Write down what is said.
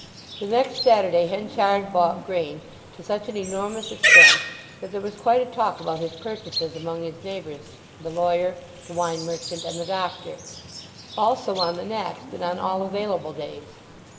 The next Saturday Henchard bought grain to such an enormous extent that there was quite a talk about his purchases among his neighbours the lawyer, the wine merchant, and the doctor; also on the next, and on all available days.